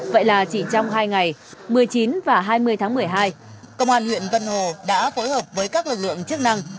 vậy là chỉ trong hai ngày một mươi chín và hai mươi tháng một mươi hai công an huyện vân hồ đã phối hợp với các lực lượng chức năng